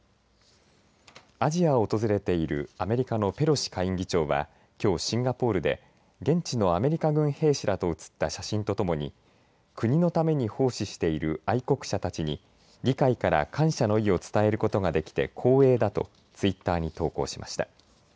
アジアを訪れているアメリカのペロシ下院議長はきょう、シンガポールで現地のアメリカ軍兵士らと写った写真とともに国のために奉仕している愛国者たちに議会から感謝の意を伝えることができて光栄だとツイッターに投稿しました。